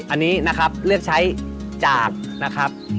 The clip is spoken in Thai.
อันนี้นะครับเลือกใช้จากนะครับ